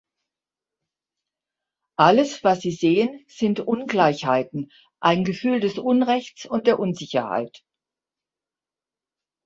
Alles, was sie sehen, sind "Ungleichheiten, ein Gefühl des Unrechts und der Unsicherheit".